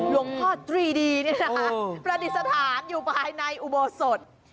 ตรีดีนี่นะคะประดิษฐานอยู่ภายในอุโบสถ